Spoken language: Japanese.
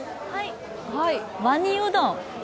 ワニうどん！